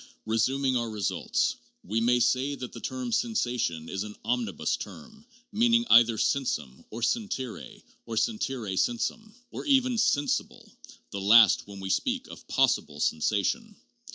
Resuming our results, we may say that the term sensation is an omnibus term, meaning either sensum, or sentire, or sentire sensum, or even sensible,— the last when we speak of 'possible sensation.'